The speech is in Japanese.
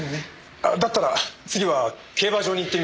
あだったら次は競馬場に行ってみましょう。